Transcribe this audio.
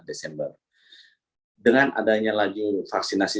desember dengan adanya lagi vaksinasi